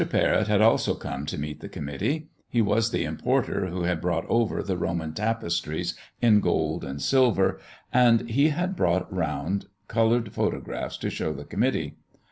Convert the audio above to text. Parrott had also come to meet the committee. He was the importer who had brought over the Roman tapestries in gold and silver, and he had brought around colored photographs to show the committee.